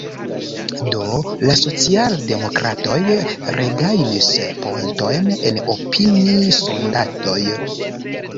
Do la socialdemokratoj regajnis poentojn en opini-sondadoj.